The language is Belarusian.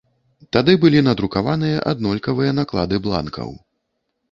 Тады былі надрукаваныя аднолькавыя наклады бланкаў.